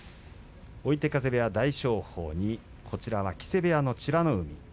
追手風部屋、大翔鵬に木瀬部屋の美ノ海。